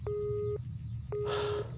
はあ。